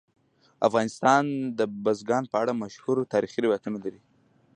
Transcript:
افغانستان د بزګان په اړه مشهور تاریخی روایتونه لري.